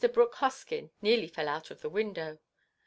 Brooke Hoskyn nearly fell out of the window.